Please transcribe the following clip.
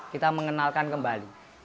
kita mengenalkan kembali